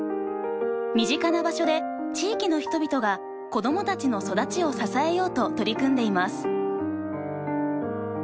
身近な場所で地域の人々が子どもたちの育ちを支えようと取り組んでいます。